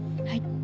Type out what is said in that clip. はい。